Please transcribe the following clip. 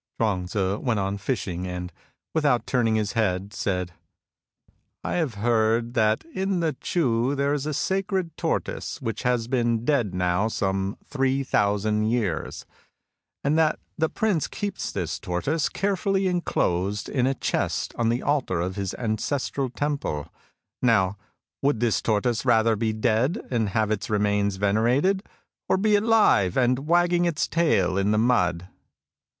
Chuang Tzu went on fishing and, without turning his head, said : ''I have heard that in Ch'u there is a sacred tortoise which has been dead now some three thousand years, and that the prince keeps this tortoise carefully enclosed in a chest on the altar of his ancestral temple. Now would this tortoise rather be dead and have its remains venerated, or be alive and wagging its tail in the mud